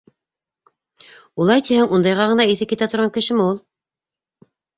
Улай тиһәң, ундайға ғына иҫе китә торған кешеме ул?